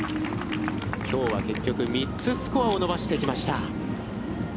きょうは結局、３つスコアを伸ばしてきました。